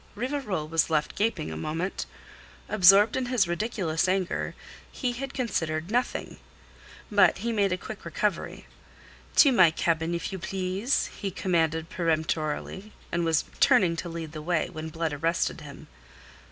Rivarol was left gaping a moment. Absorbed in his ridiculous anger, he had considered nothing. But he made a quick recovery. "To my cabin, if you please," he commanded peremptorily, and was turning to lead the way, when Blood arrested him.